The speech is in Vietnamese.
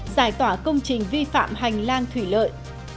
giải tỏa công trình vi phạm hành lang thủy lợi